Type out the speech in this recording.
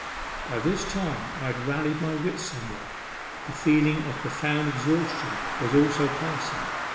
By this time I had rallied my wits somewhat. The feeling of profound exhaustion was also passing.